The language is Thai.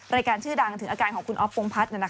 รายการชื่อดังถึงอาการของคุณอ๊อฟพงพัฒน์